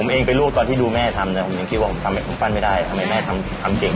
ผมเองไปลูกตอนที่ดูแม่ทำคิดว่าผมปั้นไม่ได้ทำไมแม่ทำเก่ง